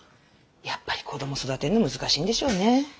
やっぱり子どもを育てるの難しいんでしょうね。